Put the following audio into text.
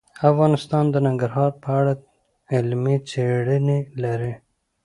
افغانستان د ننګرهار په اړه علمي څېړنې لري.